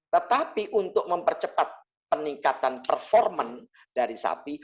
tetapi untuk mempercepat peningkatan performa dari sapi